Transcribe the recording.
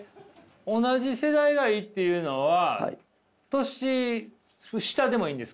「同じ世代がいい」っていうのは年下でもいいんですか？